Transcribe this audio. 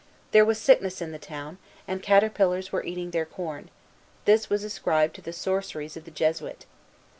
There was sickness in the town, and caterpillars were eating their corn: this was ascribed to the sorceries of the Jesuit.